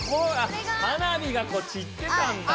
花火がこうちってたんだ。